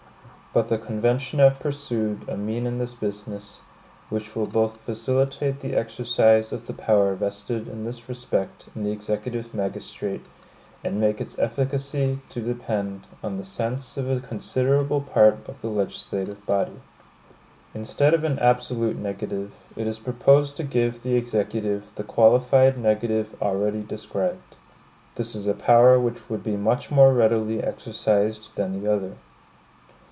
But the convention have pursued a mean in this business, which will both facilitate the exercise of the power vested in this respect in the executive magistrate, and make its efficacy to depend on the sense of a considerable part of the legislative body. Instead of an absolute negative, it is proposed to give the Executive the qualified negative already described. This is a power which would be much more readily exercised than the other.